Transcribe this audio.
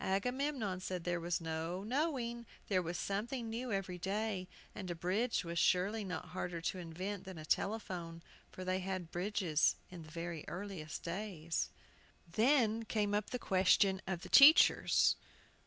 Agamemnon said there was no knowing. There was something new every day, and a bridge was surely not harder to invent than a telephone, for they had bridges in the very earliest days. Then came up the question of the teachers.